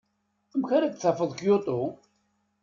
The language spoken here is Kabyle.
Amek ara d-tafeḍ Kyoto?